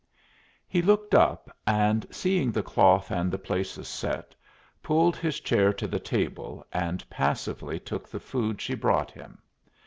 He looked up, and, seeing the cloth and the places set, pulled his chair to the table, and passively took the food she brought him.